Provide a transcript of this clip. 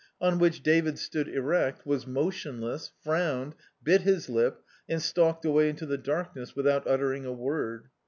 On which Dave stood erect, was motion less, frowned, bit his Up, and stalked away into the darkness, without uttering a word.